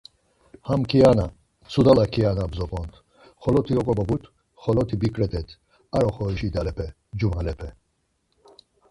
Ham ǩiana, Mtsudala ǩiana bzopont, xolot̆i oǩoboburt xoloti biǩret̆et̆ ar oxorişi dalepek, cumalepek.